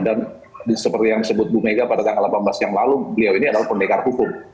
dan seperti yang disebut bu mega pada tanggal delapan belas yang lalu beliau ini adalah pendekar hukum